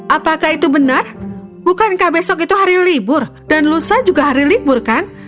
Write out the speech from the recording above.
apakah itu benar bukankah besok itu hari libur dan lusa juga hari libur kan